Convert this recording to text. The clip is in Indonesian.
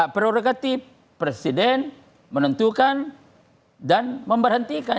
prerogatif presiden menentukan dan memberhentikan